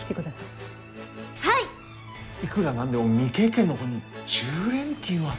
いくら何でも未経験の子に１０連勤は。